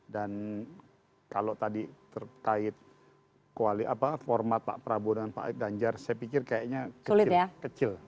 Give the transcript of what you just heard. dan kalau tadi terkait koalisi apa format pak prabowo dan pak aib danjar saya pikir kayaknya kecil